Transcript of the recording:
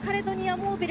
モービル